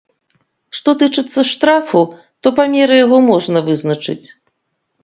Што тычыцца штрафу, то памеры яго можна вызначыць.